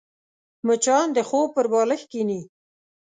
مچان د خوب پر بالښت کښېني